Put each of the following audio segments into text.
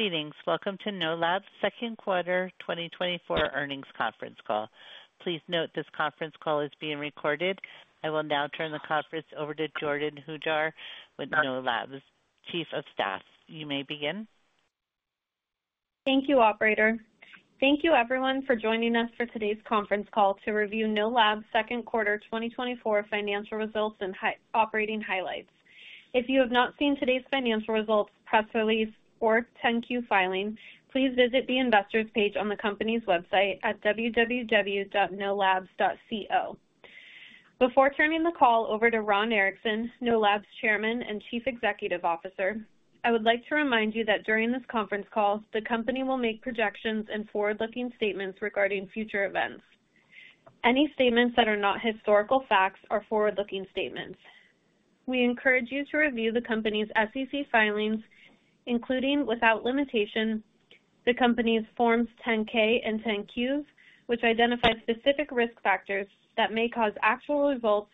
Greetings. Welcome to Know Labs' second quarter 2024 earnings conference call. Please note this conference call is being recorded. I will now turn the conference over to Jordyn Hujar with Know Labs' Chief of Staff. You may begin. Thank you, Operator. Thank you, everyone, for joining us for today's conference call to review Know Labs' second quarter 2024 financial results and key operating highlights. If you have not seen today's financial results, press release, or 10-Q filing, please visit the investors page on the company's website at www.knowlabs.co. Before turning the call over to Ron Erickson, Know Labs' Chairman and Chief Executive Officer, I would like to remind you that during this conference call, the company will make projections and forward-looking statements regarding future events. Any statements that are not historical facts are forward-looking statements. We encourage you to review the company's SEC filings, including, without limitation, the company's Forms 10-K and 10-Qs, which identify specific risk factors that may cause actual results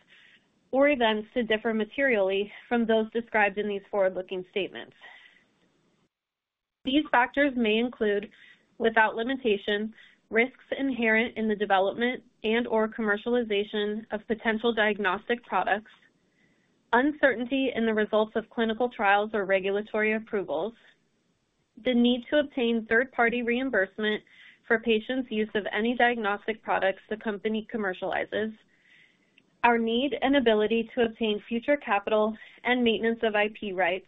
or events to differ materially from those described in these forward-looking statements. These factors may include, without limitation, risks inherent in the development and/or commercialization of potential diagnostic products, uncertainty in the results of clinical trials or regulatory approvals, the need to obtain third-party reimbursement for patients' use of any diagnostic products the company commercializes, our need and ability to obtain future capital and maintenance of IP rights,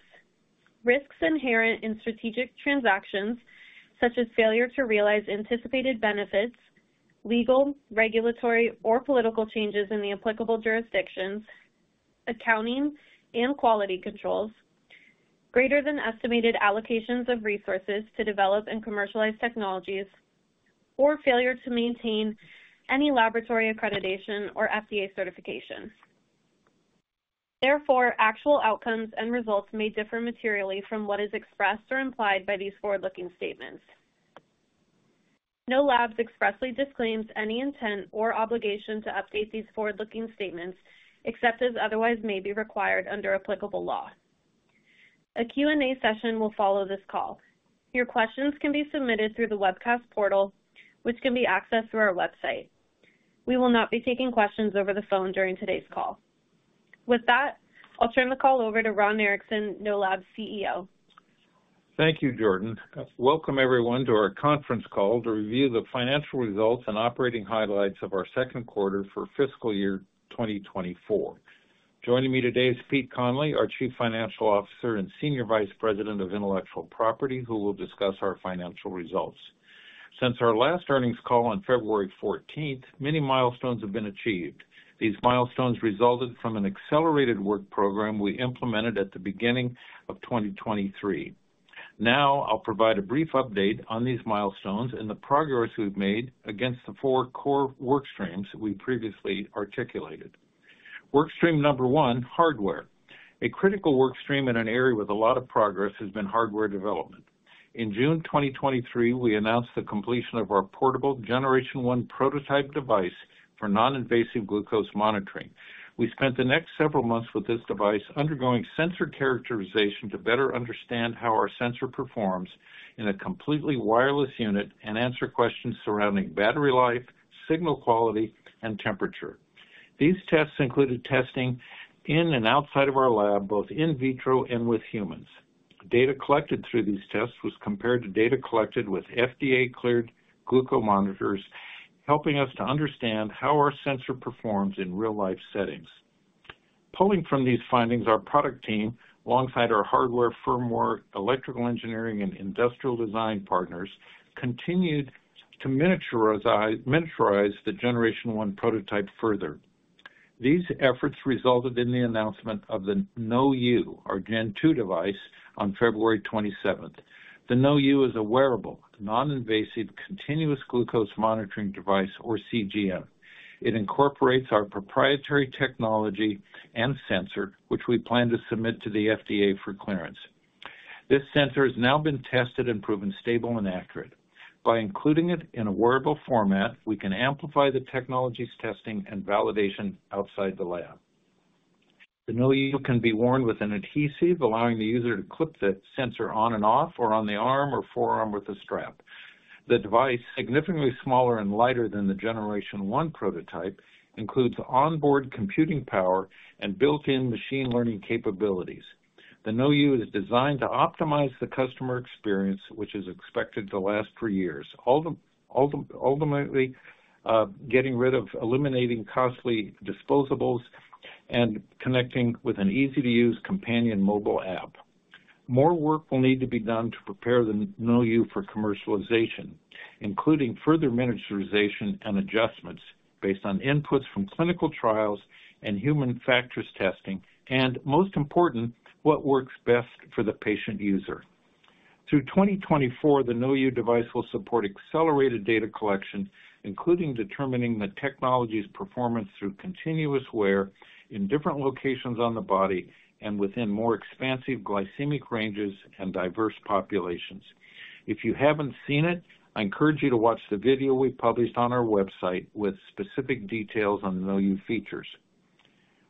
risks inherent in strategic transactions such as failure to realize anticipated benefits, legal, regulatory, or political changes in the applicable jurisdictions, accounting and quality controls, greater than estimated allocations of resources to develop and commercialize technologies, or failure to maintain any laboratory accreditation or FDA certification. Therefore, actual outcomes and results may differ materially from what is expressed or implied by these forward-looking statements. Know Labs expressly disclaims any intent or obligation to update these forward-looking statements, except as otherwise may be required under applicable law. A Q&A session will follow this call. Your questions can be submitted through the webcast portal, which can be accessed through our website. We will not be taking questions over the phone during today's call. With that, I'll turn the call over to Ron Erickson, Know Labs' CEO. Thank you, Jordan. Welcome, everyone, to our conference call to review the financial results and operating highlights of our second quarter for fiscal year 2024. Joining me today is Pete Connolly, our Chief Financial Officer and Senior Vice President of Intellectual Property, who will discuss our financial results. Since our last earnings call on February 14th, many milestones have been achieved. These milestones resulted from an accelerated work program we implemented at the beginning of 2023. Now I'll provide a brief update on these milestones and the progress we've made against the four core work streams we previously articulated. Work stream number one: hardware. A critical work stream in an area with a lot of progress has been hardware development. In June 2023, we announced the completion of our portable Generation 1 prototype device for non-invasive glucose monitoring. We spent the next several months with this device undergoing sensor characterization to better understand how our sensor performs in a completely wireless unit and answer questions surrounding battery life, signal quality, and temperature. These tests included testing in and outside of our lab, both in vitro and with humans. Data collected through these tests was compared to data collected with FDA-cleared glucose monitors, helping us to understand how our sensor performs in real-life settings. Pulling from these findings, our product team, alongside our hardware, firmware, electrical engineering, and industrial design partners, continued to miniaturize the Generation 1 prototype further. These efforts resulted in the announcement of the KnowU, our Gen 2 device, on February 27th. The KnowU is a wearable, non-invasive continuous glucose monitoring device, or CGM. It incorporates our proprietary technology and sensor, which we plan to submit to the FDA for clearance. This sensor has now been tested and proven stable and accurate. By including it in a wearable format, we can amplify the technology's testing and validation outside the lab. The KnowU can be worn with an adhesive, allowing the user to clip the sensor on and off or on the arm or forearm with a strap. The device, significantly smaller and lighter than the Generation 1 prototype, includes onboard computing power and built-in machine learning capabilities. The KnowU is designed to optimize the customer experience, which is expected to last for years, ultimately getting rid of, eliminating costly disposables and connecting with an easy-to-use companion mobile app. More work will need to be done to prepare the KnowU for commercialization, including further miniaturization and adjustments based on inputs from clinical trials and human factors testing, and, most important, what works best for the patient user. Through 2024, the KnowU device will support accelerated data collection, including determining the technology's performance through continuous wear in different locations on the body and within more expansive glycemic ranges and diverse populations. If you haven't seen it, I encourage you to watch the video we published on our website with specific details on the KnowU features.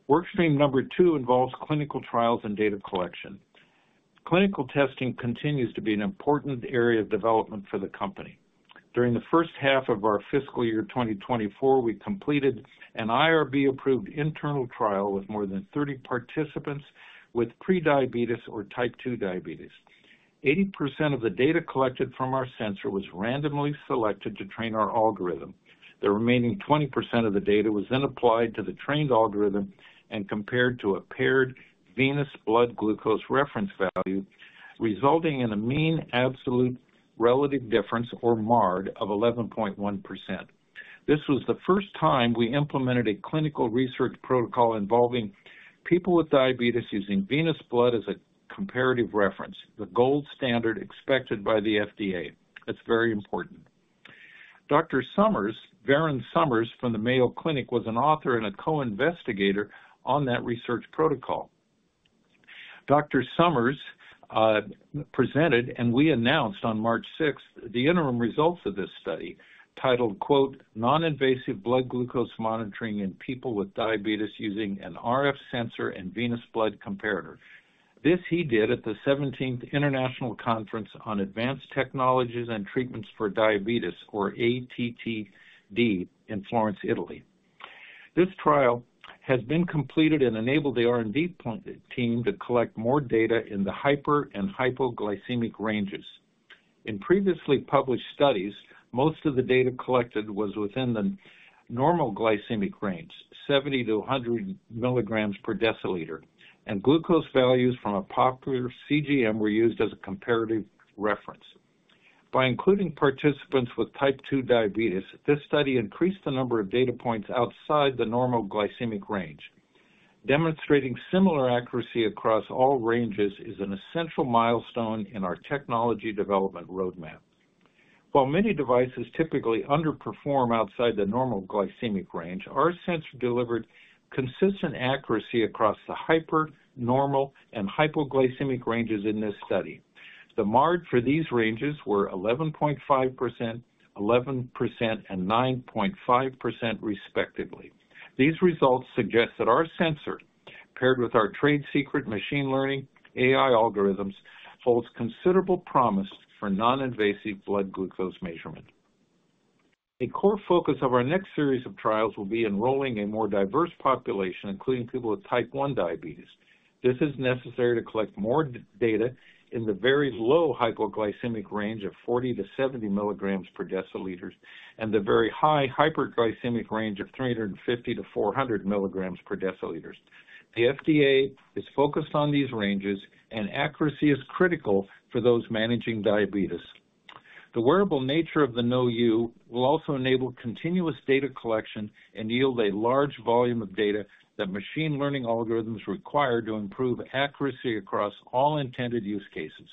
Work stream number 2 involves clinical trials and data collection. Clinical testing continues to be an important area of development for the company. During the first half of our fiscal year 2024, we completed an IRB-approved internal trial with more than 30 participants with prediabetes or type 2 diabetes. 80% of the data collected from our sensor was randomly selected to train our algorithm. The remaining 20% of the data was then applied to the trained algorithm and compared to a paired venous blood glucose reference value, resulting in a mean absolute relative difference, or MARD, of 11.1%. This was the first time we implemented a clinical research protocol involving people with diabetes using venous blood as a comparative reference, the gold standard expected by the FDA. That's very important. Dr. Somers, Virend Somers from the Mayo Clinic, was an author and a co-investigator on that research protocol. Dr. Somers presented, and we announced on March 6th, the interim results of this study titled, "Non-invasive blood glucose monitoring in people with diabetes using an RF sensor and venous blood comparator." This he did at the 17th International Conference on Advanced Technologies and Treatments for Diabetes, or ATTD, in Florence, Italy. This trial has been completed and enabled the R&D team to collect more data in the hyper and hypoglycemic ranges. In previously published studies, most of the data collected was within the normal glycemic range, 70-100 milligrams per deciliter, and glucose values from a popular CGM were used as a comparative reference. By including participants with type 2 diabetes, this study increased the number of data points outside the normal glycemic range. Demonstrating similar accuracy across all ranges is an essential milestone in our technology development roadmap. While many devices typically underperform outside the normal glycemic range, our sensor delivered consistent accuracy across the hyper, normal, and hypoglycemic ranges in this study. The MARD for these ranges were 11.5%, 11%, and 9.5%, respectively. These results suggest that our sensor, paired with our trade secret machine learning AI algorithms, holds considerable promise for non-invasive blood glucose measurement. A core focus of our next series of trials will be enrolling a more diverse population, including people with type 1 diabetes. This is necessary to collect more data in the very low hypoglycemic range of 40-70 milligrams per deciliter and the very high hyperglycemic range of 350-400 milligrams per deciliter. The FDA is focused on these ranges, and accuracy is critical for those managing diabetes. The wearable nature of the KnowU will also enable continuous data collection and yield a large volume of data that machine learning algorithms require to improve accuracy across all intended use cases.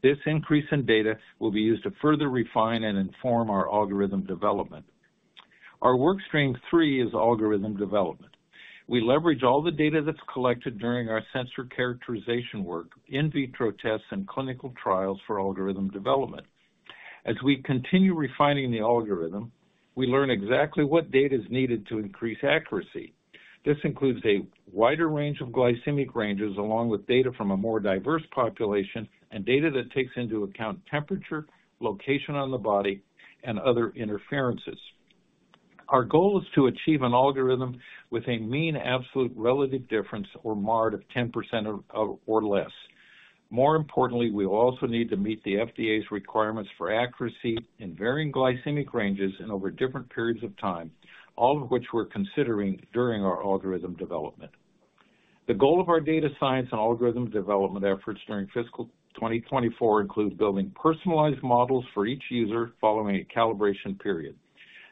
This increase in data will be used to further refine and inform our algorithm development. Our work stream three is algorithm development. We leverage all the data that's collected during our sensor characterization work, in vitro tests, and clinical trials for algorithm development. As we continue refining the algorithm, we learn exactly what data is needed to increase accuracy. This includes a wider range of glycemic ranges, along with data from a more diverse population and data that takes into account temperature, location on the body, and other interferences. Our goal is to achieve an algorithm with a mean absolute relative difference, or MARD, of 10% or less. More importantly, we also need to meet the FDA's requirements for accuracy in varying glycemic ranges and over different periods of time, all of which we're considering during our algorithm development. The goal of our data science and algorithm development efforts during fiscal 2024 includes building personalized models for each user following a calibration period.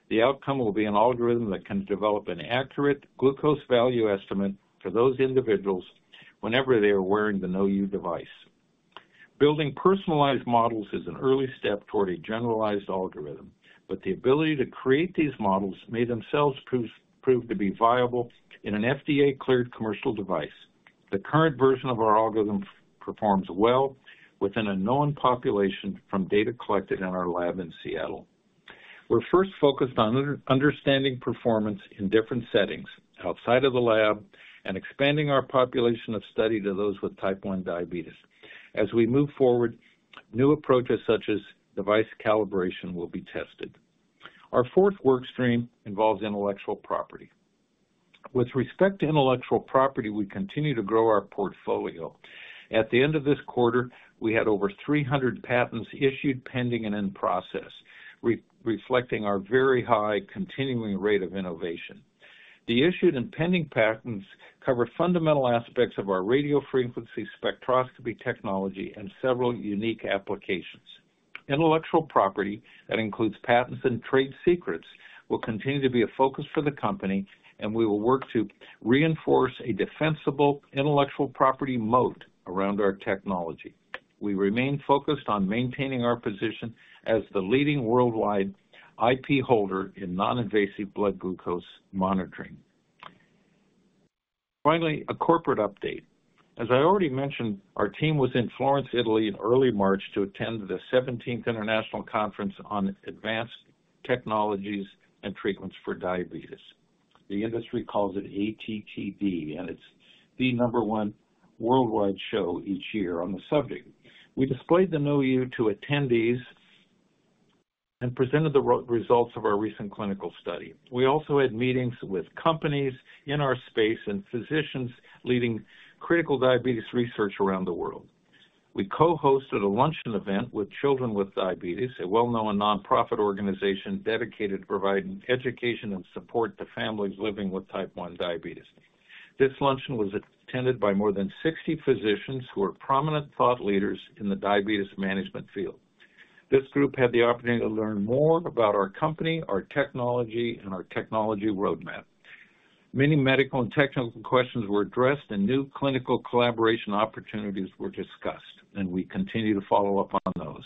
The outcome will be an algorithm that can develop an accurate glucose value estimate for those individuals whenever they are wearing the KnowU device. Building personalized models is an early step toward a generalized algorithm, but the ability to create these models may themselves prove to be viable in an FDA-cleared commercial device. The current version of our algorithm performs well within a known population from data collected in our lab in Seattle. We're first focused on understanding performance in different settings outside of the lab and expanding our population of study to those with type 1 diabetes. As we move forward, new approaches such as device calibration will be tested. Our fourth work stream involves intellectual property. With respect to intellectual property, we continue to grow our portfolio. At the end of this quarter, we had over 300 patents issued, pending, and in process, reflecting our very high continuing rate of innovation. The issued and pending patents cover fundamental aspects of our radio frequency spectroscopy technology and several unique applications. Intellectual property, that includes patents and trade secrets, will continue to be a focus for the company, and we will work to reinforce a defensible intellectual property moat around our technology. We remain focused on maintaining our position as the leading worldwide IP holder in non-invasive blood glucose monitoring. Finally, a corporate update. As I already mentioned, our team was in Florence, Italy, in early March to attend the 17th International Conference on Advanced Technologies and Treatments for Diabetes. The industry calls it ATTD, and it's the number one worldwide show each year on the subject. We displayed the KnowU to attendees and presented the results of our recent clinical study. We also had meetings with companies in our space and physicians leading critical diabetes research around the world. We co-hosted a luncheon event with Children with Diabetes, a well-known nonprofit organization dedicated to providing education and support to families living with type 1 diabetes. This luncheon was attended by more than 60 physicians who are prominent thought leaders in the diabetes management field. This group had the opportunity to learn more about our company, our technology, and our technology roadmap. Many medical and technical questions were addressed, and new clinical collaboration opportunities were discussed, and we continue to follow up on those.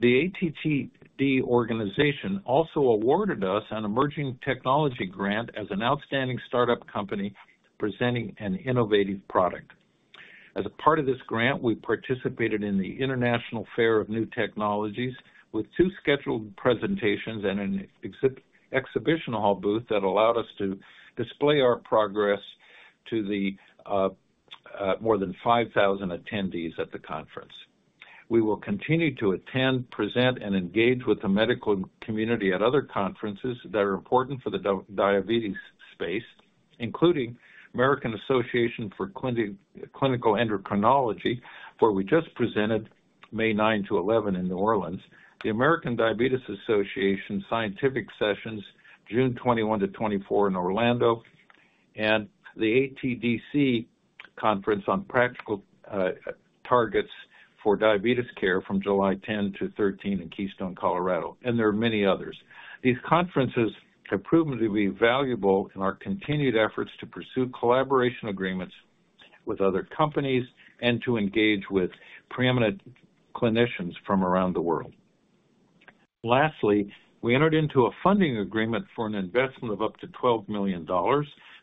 The ATTD organization also awarded us an emerging technology grant as an outstanding startup company presenting an innovative product. As a part of this grant, we participated in the International Fair of New Technologies with two scheduled presentations and an exhibition hall booth that allowed us to display our progress to more than 5,000 attendees at the conference. We will continue to attend, present, and engage with the medical community at other conferences that are important for the diabetes space, including American Association for Clinical Endocrinology, where we just presented May 9 to 11 in New Orleans, the American Diabetes Association Scientific Sessions, June 21 to 24 in Orlando, and the ATDC Conference on Practical Targets for Diabetes Care from July 10 to 13 in Keystone, Colorado. There are many others. These conferences have proven to be valuable in our continued efforts to pursue collaboration agreements with other companies and to engage with preeminent clinicians from around the world. Lastly, we entered into a funding agreement for an investment of up to $12 million.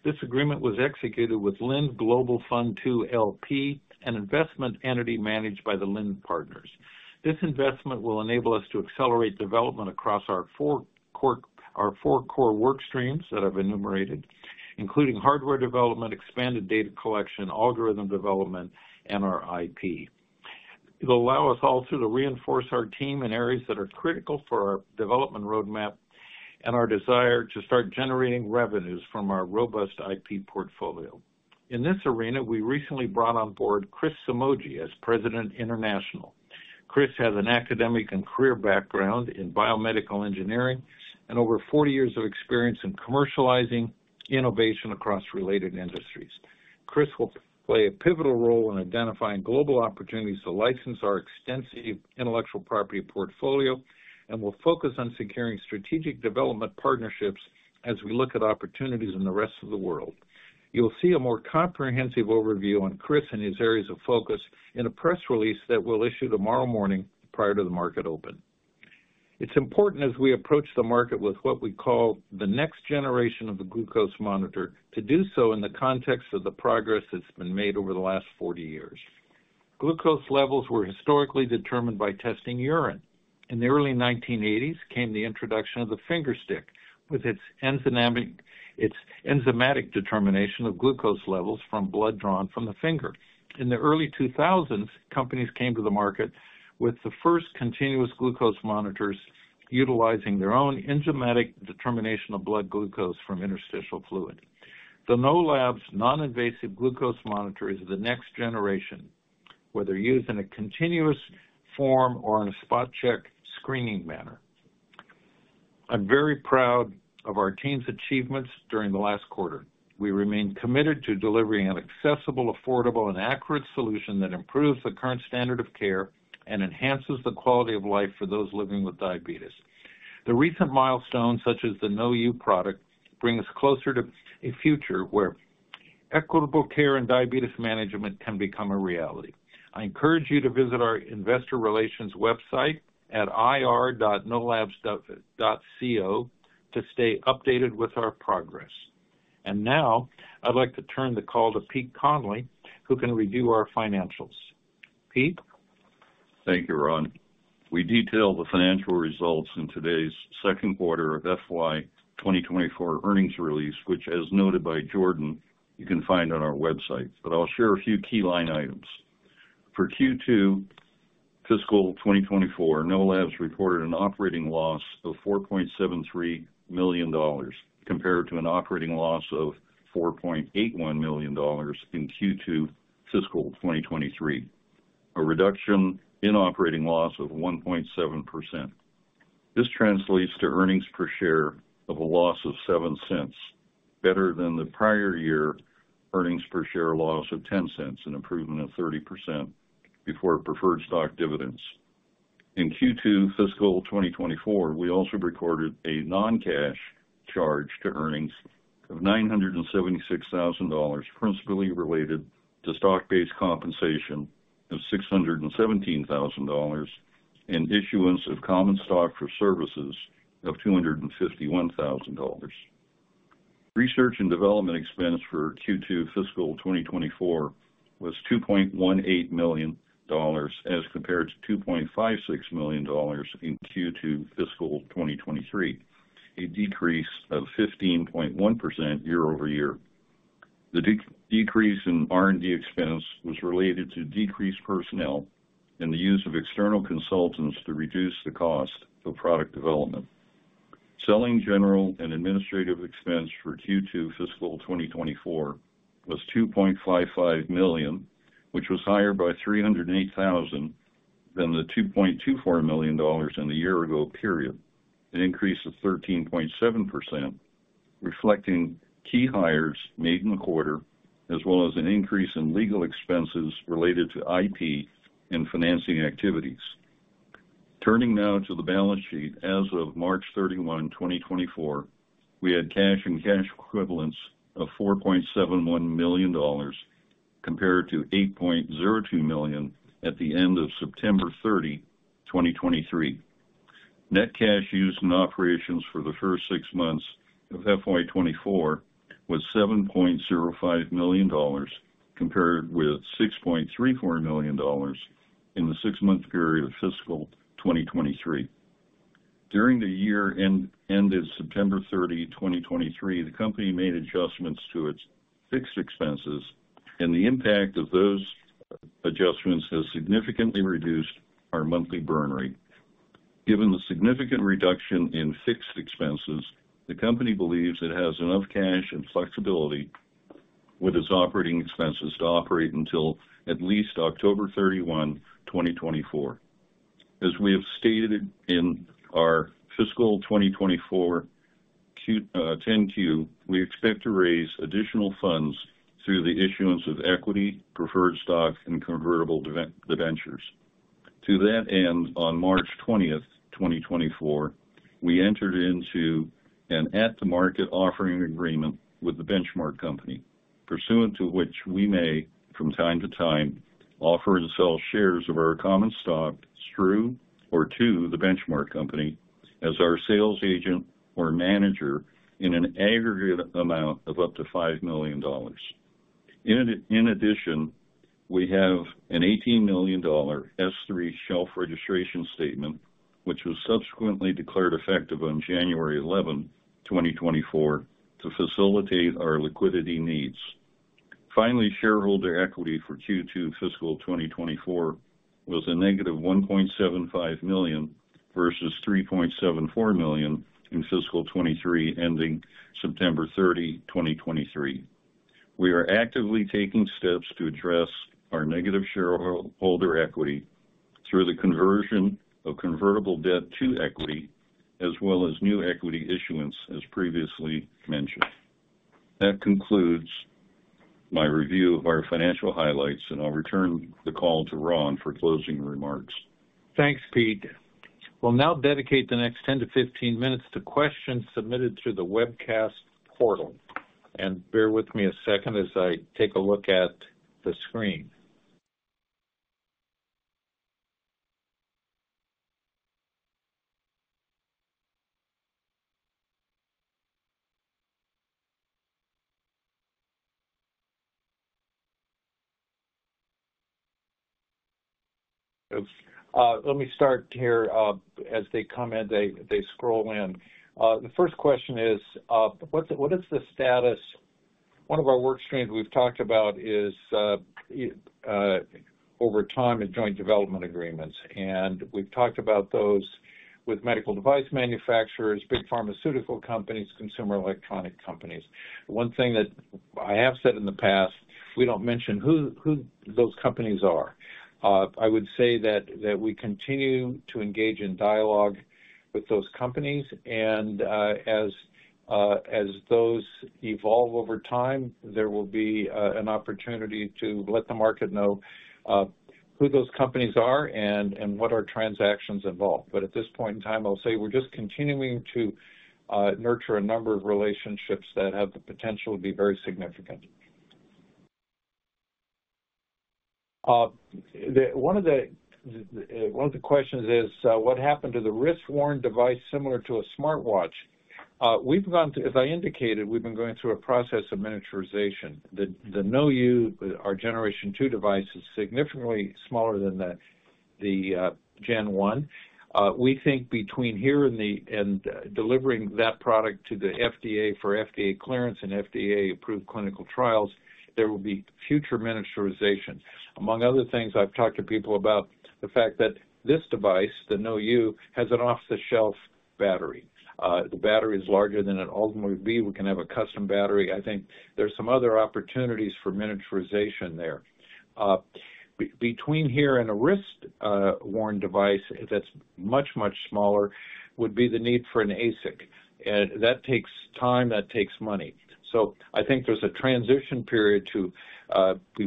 This agreement was executed with Lind Global Fund II LP, an investment entity managed by the Lind Partners. This investment will enable us to accelerate development across our four core work streams that I've enumerated, including hardware development, expanded data collection, algorithm development, and our IP. It will allow us also to reinforce our team in areas that are critical for our development roadmap and our desire to start generating revenues from our robust IP portfolio. In this arena, we recently brought on board Chris Somogyi as President, International. Chris has an academic and career background in biomedical engineering and over 40 years of experience in commercializing innovation across related industries. Chris will play a pivotal role in identifying global opportunities to license our extensive intellectual property portfolio and will focus on securing strategic development partnerships as we look at opportunities in the rest of the world. You'll see a more comprehensive overview on Chris and his areas of focus in a press release that we'll issue tomorrow morning prior to the market open. It's important, as we approach the market with what we call the next generation of the glucose monitor, to do so in the context of the progress that's been made over the last 40 years. Glucose levels were historically determined by testing urine. In the early 1980s came the introduction of the fingerstick with its enzymatic determination of glucose levels from blood drawn from the finger. In the early 2000s, companies came to the market with the first continuous glucose monitors utilizing their own enzymatic determination of blood glucose from interstitial fluid. The Know Labs non-invasive glucose monitor is the next generation, whether used in a continuous form or in a spot-check screening manner. I'm very proud of our team's achievements during the last quarter. We remain committed to delivering an accessible, affordable, and accurate solution that improves the current standard of care and enhances the quality of life for those living with diabetes. The recent milestone, such as the KnowU product, brings us closer to a future where equitable care and diabetes management can become a reality. I encourage you to visit our investor relations website at ir.knowlabs.co to stay updated with our progress. And now, I'd like to turn the call to Pete Connolly, who can review our financials. Pete. Thank you, Ron. We detail the financial results in today's second quarter of FY 2024 earnings release, which, as noted by Jordan, you can find on our website. I'll share a few key line items. For Q2 fiscal 2024, Know Labs reported an operating loss of $4.73 million compared to an operating loss of $4.81 million in Q2 fiscal 2023, a reduction in operating loss of 1.7%. This translates to earnings per share of -$0.07, better than the prior year earnings per share loss of -$0.10, an improvement of 30% before preferred stock dividends. In Q2 fiscal 2024, we also recorded a non-cash charge to earnings of $976,000 principally related to stock-based compensation of $617,000 and issuance of common stock for services of $251,000. Research and development expense for Q2 fiscal 2024 was $2.18 million as compared to $2.56 million in Q2 fiscal 2023, a decrease of 15.1% year-over-year. The decrease in R&D expense was related to decreased personnel and the use of external consultants to reduce the cost of product development. Selling general and administrative expense for Q2 fiscal 2024 was $2.55 million, which was higher by $308,000 than the $2.24 million in the year-ago period, an increase of 13.7%, reflecting key hires made in the quarter as well as an increase in legal expenses related to IP and financing activities. Turning now to the balance sheet, as of March 31, 2024, we had cash and cash equivalents of $4.71 million compared to $8.02 million at the end of September 30, 2023. Net cash used in operations for the first six months of FY 2024 was $7.05 million compared with $6.34 million in the six-month period of fiscal 2023. During the year ended September 30, 2023, the company made adjustments to its fixed expenses, and the impact of those adjustments has significantly reduced our monthly burn rate. Given the significant reduction in fixed expenses, the company believes it has enough cash and flexibility with its operating expenses to operate until at least October 31, 2024. As we have stated in our fiscal 2024 10-Q, we expect to raise additional funds through the issuance of equity, preferred stock, and convertible debentures. To that end, on March 20, 2024, we entered into an at-the-market offering agreement with the Benchmark Company, pursuant to which we may, from time to time, offer and sell shares of our common stock through or to the Benchmark Company as our sales agent or manager in an aggregate amount of up to $5 million. In addition, we have an $18 million S-3 shelf registration statement, which was subsequently declared effective on January 11, 2024, to facilitate our liquidity needs. Finally, shareholder equity for Q2 fiscal 2024 was -$1.75 million versus $3.74 million in fiscal 2023 ending September 30, 2023. We are actively taking steps to address our negative shareholder equity through the conversion of convertible debt to equity as well as new equity issuance, as previously mentioned. That concludes my review of our financial highlights, and I'll return the call to Ron for closing remarks. Thanks, Pete. We'll now dedicate the next 10-15 minutes to questions submitted through the webcast portal. And bear with me a second as I take a look at the screen. Let me start here as they come in, they scroll in. The first question is, what is the status one of our work streams we've talked about is over time in joint development agreements, and we've talked about those with medical device manufacturers, big pharmaceutical companies, consumer electronic companies. One thing that I have said in the past, we don't mention who those companies are. I would say that we continue to engage in dialogue with those companies, and as those evolve over time, there will be an opportunity to let the market know who those companies are and what our transactions involve. But at this point in time, I'll say we're just continuing to nurture a number of relationships that have the potential to be very significant. One of the questions is, what happened to the wrist-worn device similar to a smartwatch? We've gone through, as I indicated, we've been going through a process of miniaturization. The KnowU, our generation 2 device, is significantly smaller than the Gen 1. We think between here and delivering that product to the FDA for FDA clearance and FDA-approved clinical trials, there will be future miniaturization. Among other things, I've talked to people about the fact that this device, the KnowU, has an off-the-shelf battery. The battery is larger than it ultimately would be. We can have a custom battery. I think there's some other opportunities for miniaturization there. Between here and a wrist-worn device that's much, much smaller would be the need for an ASIC. That takes time. That takes money. So I think there's a transition period to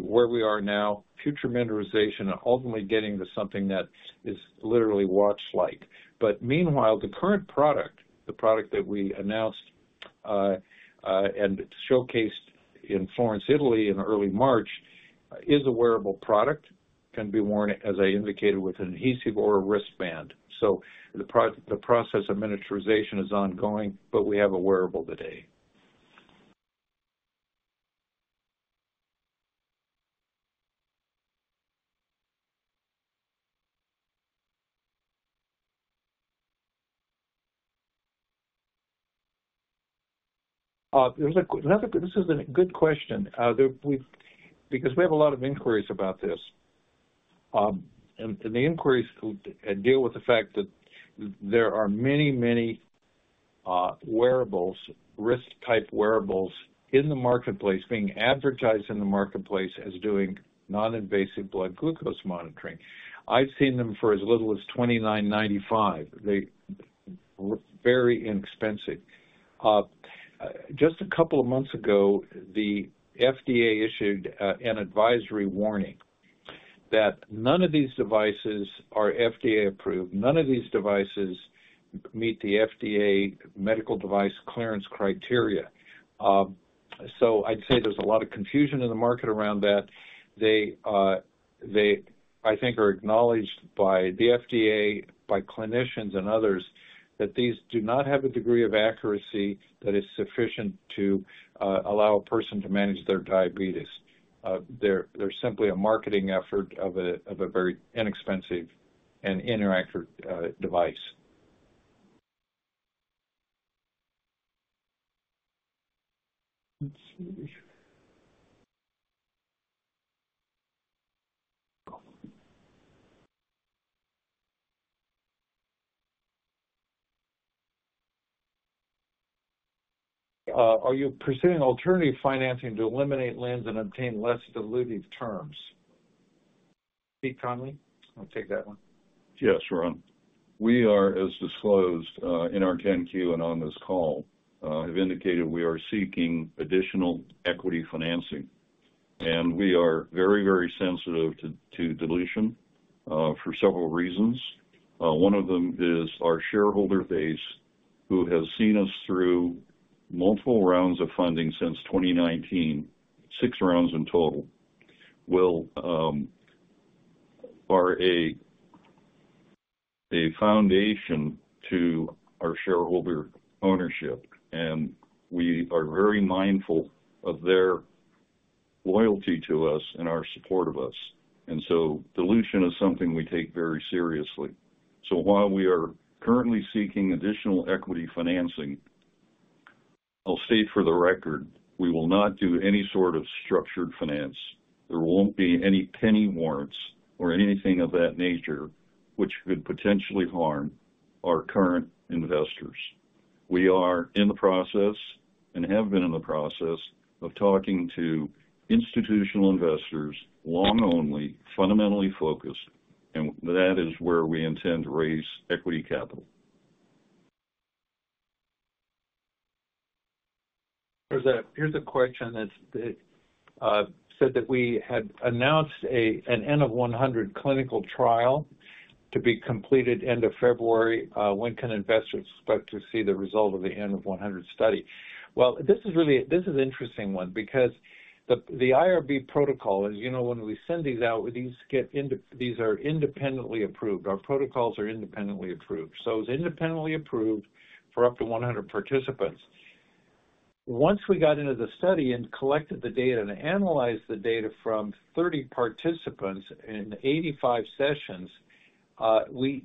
where we are now, future miniaturization, and ultimately getting to something that is literally watchlike. But meanwhile, the current product, the product that we announced and showcased in Florence, Italy, in early March, is a wearable product, can be worn, as I indicated, with an adhesive or a wristband. So the process of miniaturization is ongoing, but we have a wearable today. This is a good question because we have a lot of inquiries about this. And the inquiries deal with the fact that there are many, many wearables, wrist-type wearables, in the marketplace being advertised in the marketplace as doing non-invasive blood glucose monitoring. I've seen them for as little as $29.95. They're very inexpensive. Just a couple of months ago, the FDA issued an advisory warning that none of these devices are FDA-approved, none of these devices meet the FDA medical device clearance criteria. So I'd say there's a lot of confusion in the market around that. They, I think, are acknowledged by the FDA, by clinicians, and others that these do not have a degree of accuracy that is sufficient to allow a person to manage their diabetes. They're simply a marketing effort of a very inexpensive and inaccurate device. Let's see. Are you pursuing alternative financing to eliminate Lind and obtain less diluted terms? Pete Connolly, I'll take that one. Yes, Ron. We are, as disclosed in our 10-Q and on this call, have indicated we are seeking additional equity financing. We are very, very sensitive to dilution for several reasons. One of them is our shareholder base, who has seen us through multiple rounds of funding since 2019, six rounds in total, are a foundation to our shareholder ownership. We are very mindful of their loyalty to us and our support of us. So dilution is something we take very seriously. While we are currently seeking additional equity financing, I'll state for the record, we will not do any sort of structured finance. There won't be any penny warrants or anything of that nature which could potentially harm our current investors. We are in the process and have been in the process of talking to institutional investors, long-only, fundamentally focused, and that is where we intend to raise equity capital. Here's a question that said that we had announced an N of 100 clinical trial to be completed end of February. When can investors expect to see the result of the N of 100 study? Well, this is an interesting one because the IRB protocol, as you know, when we send these out, these get into these are independently approved. Our protocols are independently approved. So it's independently approved for up to 100 participants. Once we got into the study and collected the data and analyzed the data from 30 participants in 85 sessions, and we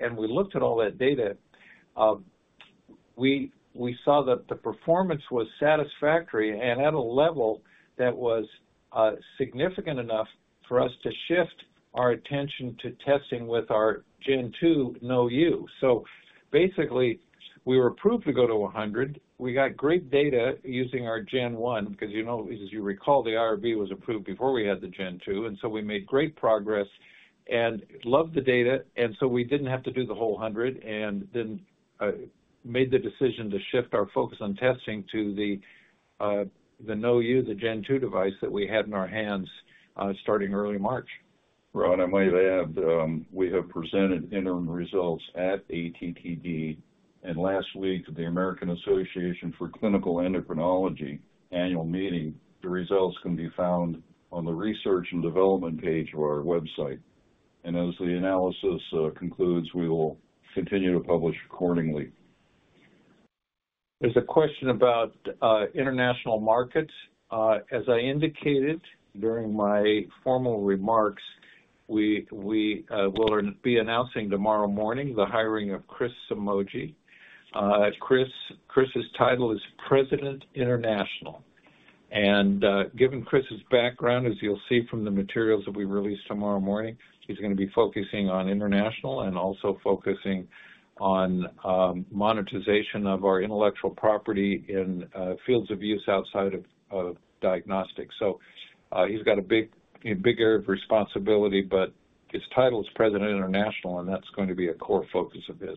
looked at all that data, we saw that the performance was satisfactory and at a level that was significant enough for us to shift our attention to testing with our Gen 2 KnowU. So basically, we were approved to go to 100. We got great data using our Gen One because, as you recall, the IRB was approved before we had the Gen Two. And so we made great progress and loved the data. And so we didn't have to do the whole 100 and then made the decision to shift our focus on testing to the KnowU, the Gen Two device that we had in our hands starting early March. Ron, I might add. We have presented interim results at ATTD. And last week, the American Association for Clinical Endocrinology annual meeting. The results can be found on the research and development page of our website. As the analysis concludes, we will continue to publish accordingly. There's a question about international markets. As I indicated during my formal remarks, we will be announcing tomorrow morning the hiring of Chris Somogyi. Chris's title is President International. And given Chris's background, as you'll see from the materials that we release tomorrow morning, he's going to be focusing on international and also focusing on monetization of our intellectual property in fields of use outside of diagnostics. So he's got a big area of responsibility, but his title is President International, and that's going to be a core focus of his.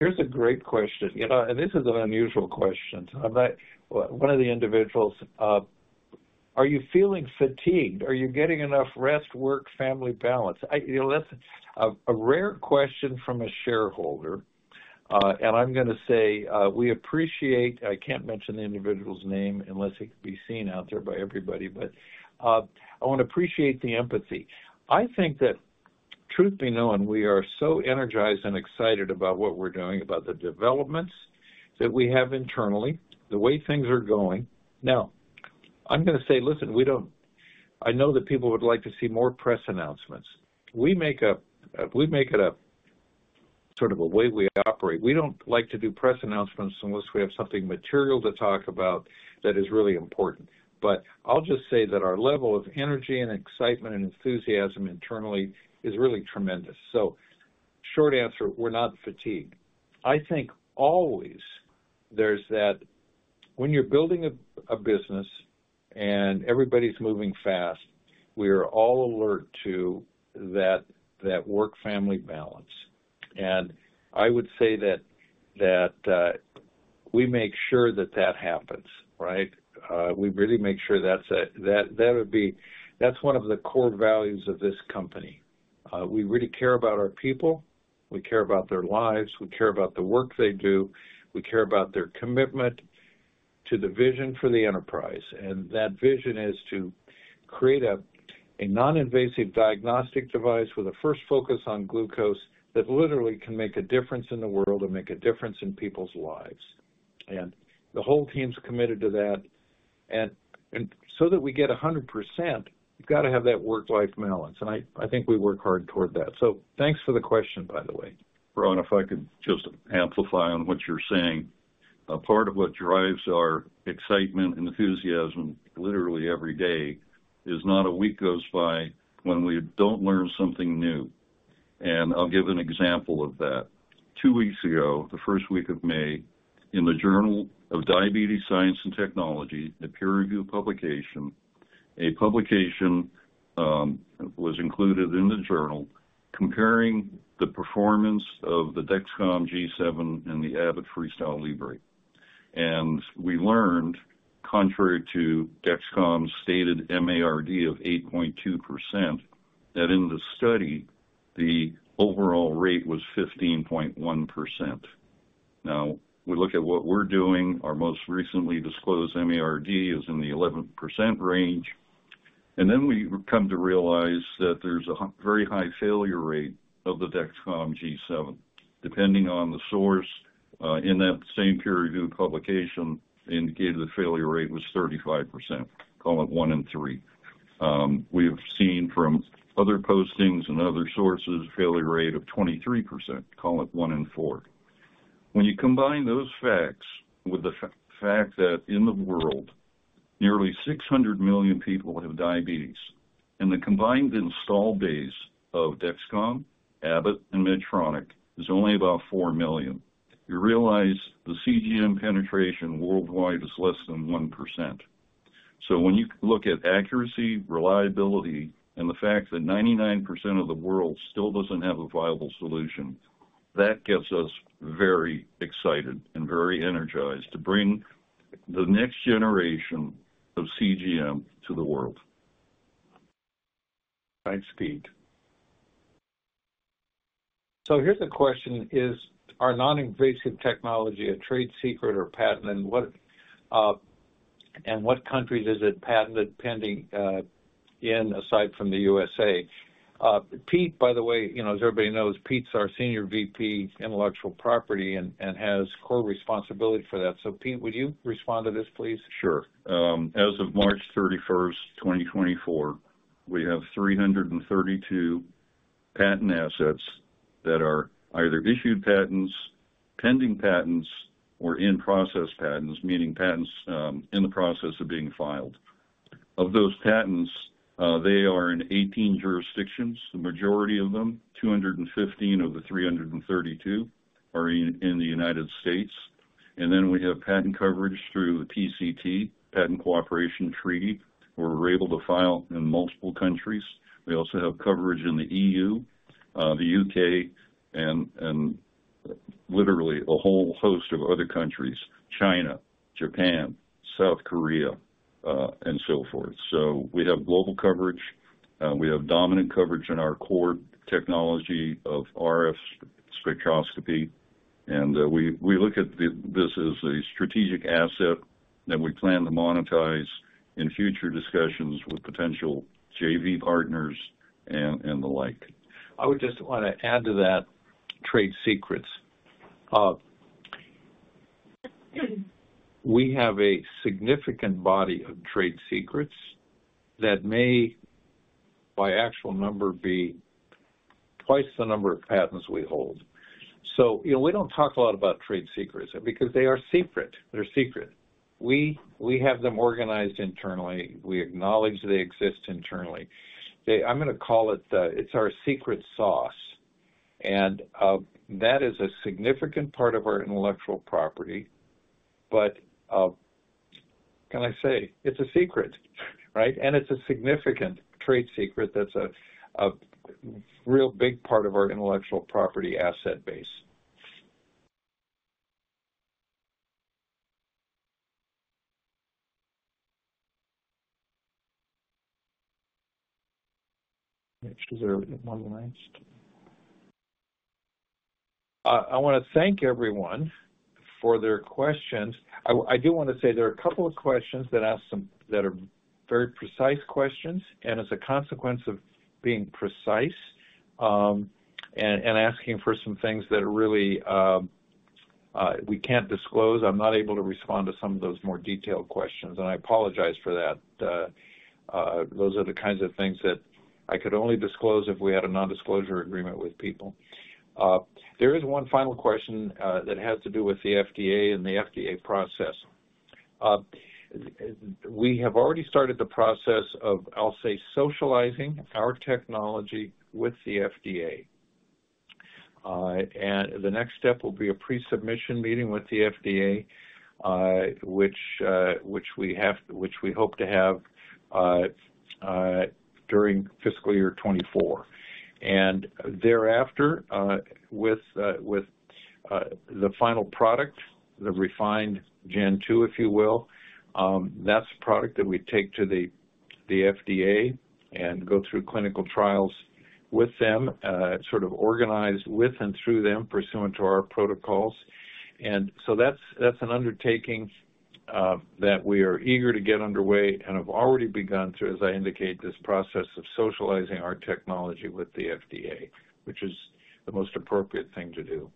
Here's a great question. This is an unusual question. One of the individuals, "Are you feeling fatigued? Are you getting enough rest, work, family balance?" That's a rare question from a shareholder. I'm going to say we appreciate I can't mention the individual's name unless he can be seen out there by everybody, but I want to appreciate the empathy. I think that, truth be known, we are so energized and excited about what we're doing, about the developments that we have internally, the way things are going. Now, I'm going to say, "Listen, I know that people would like to see more press announcements." We make it a sort of a way we operate. We don't like to do press announcements unless we have something material to talk about that is really important. But I'll just say that our level of energy and excitement and enthusiasm internally is really tremendous. Short answer, we're not fatigued. I think always there's that when you're building a business and everybody's moving fast, we are all alert to that work-family balance. I would say that we make sure that that happens, right? We really make sure that's one of the core values of this company. We really care about our people. We care about their lives. We care about the work they do. We care about their commitment to the vision for the enterprise. That vision is to create a non-invasive diagnostic device with a first focus on glucose that literally can make a difference in the world and make a difference in people's lives. The whole team's committed to that. So that we get 100%, you've got to have that work-life balance. I think we work hard toward that. Thanks for the question, by the way. Ron, if I could just amplify on what you're saying. Part of what drives our excitement and enthusiasm literally every day is not a week goes by when we don't learn something new. I'll give an example of that. Two weeks ago, the first week of May, in the Journal of Diabetes Science and Technology, a peer-reviewed publication, a publication was included in the journal comparing the performance of the Dexcom G7 and the Abbott FreeStyle Libre. We learned, contrary to Dexcom's stated MARD of 8.2%, that in the study, the overall rate was 15.1%. Now, we look at what we're doing. Our most recently disclosed MARD is in the 11% range. Then we come to realize that there's a very high failure rate of the Dexcom G7. Depending on the source, in that same peer-reviewed publication, they indicated the failure rate was 35%. Call it 1 in 3. We have seen from other postings and other sources, a failure rate of 23%. Call it 1 in 4. When you combine those facts with the fact that in the world, nearly 600 million people have diabetes, and the combined install days of Dexcom, Abbott, and Medtronic is only about 4 million, you realize the CGM penetration worldwide is less than 1%. So when you look at accuracy, reliability, and the fact that 99% of the world still doesn't have a viable solution, that gets us very excited and very energized to bring the next generation of CGM to the world. Thanks, Pete. So here's a question. Is our non-invasive technology a trade secret or patented? And what countries is it patented, pending, aside from the USA? Pete, by the way, as everybody knows, Pete's our Senior VP Intellectual Property and has core responsibility for that. So Pete, would you respond to this, please? Sure. As of March 31st, 2024, we have 332 patent assets that are either issued patents, pending patents, or in-process patents, meaning patents in the process of being filed. Of those patents, they are in 18 jurisdictions, the majority of them. 215 of the 332 are in the United States. And then we have patent coverage through the PCT, Patent Cooperation Treaty, where we're able to file in multiple countries. We also have coverage in the E.U., the U.K., and literally a whole host of other countries, China, Japan, South Korea, and so forth. So we have global coverage. We have dominant coverage in our core technology of RF spectroscopy. And we look at this as a strategic asset that we plan to monetize in future discussions with potential JV partners and the like. I would just want to add to that trade secrets. We have a significant body of trade secrets that may, by actual number, be twice the number of patents we hold. So we don't talk a lot about trade secrets because they are secret. They're secret. We have them organized internally. We acknowledge they exist internally. I'm going to call it it's our secret sauce. And that is a significant part of our intellectual property. But what can I say? It's a secret, right? And it's a significant trade secret that's a real big part of our intellectual property asset base. I want to thank everyone for their questions. I want to thank everyone for their questions. I do want to say there are a couple of questions that are very precise questions. As a consequence of being precise and asking for some things that really we can't disclose, I'm not able to respond to some of those more detailed questions. I apologize for that. Those are the kinds of things that I could only disclose if we had a nondisclosure agreement with people. There is one final question that has to do with the FDA and the FDA process. We have already started the process of, I'll say, socializing our technology with the FDA. The next step will be a pre-submission meeting with the FDA, which we hope to have during fiscal year 2024. And thereafter, with the final product, the refined Gen Two, if you will, that's a product that we take to the FDA and go through clinical trials with them, sort of organized with and through them, pursuant to our protocols. And so that's an undertaking that we are eager to get underway and have already begun through, as I indicate, this process of socializing our technology with the FDA, which is the most appropriate thing to do.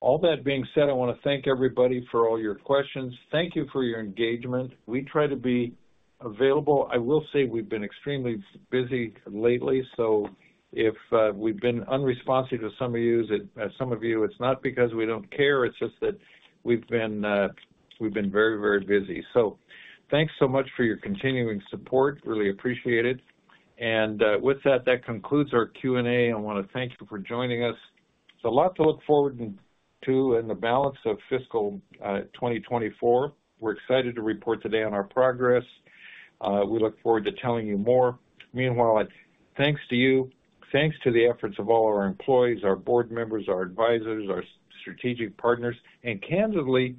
All that being said, I want to thank everybody for all your questions. Thank you for your engagement. We try to be available. I will say we've been extremely busy lately. So if we've been unresponsive to some of you, it's not because we don't care. It's just that we've been very, very busy. So thanks so much for your continuing support. Really appreciate it. And with that, that concludes our Q&A. I want to thank you for joining us. There's a lot to look forward to in the balance of fiscal 2024. We're excited to report today on our progress. We look forward to telling you more. Meanwhile, thanks to you. Thanks to the efforts of all our employees, our board members, our advisors, our strategic partners, and candidly,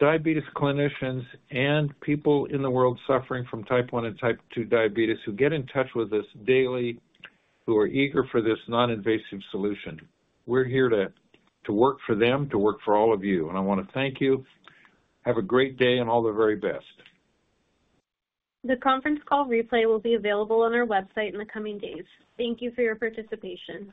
diabetes clinicians and people in the world suffering from type 1 and type 2 diabetes who get in touch with us daily, who are eager for this non-invasive solution. We're here to work for them, to work for all of you. And I want to thank you. Have a great day and all the very best. The conference call replay will be available on our website in the coming days. Thank you for your participation.